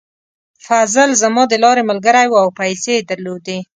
فضل زما د لارې ملګری و او پیسې یې درلودې.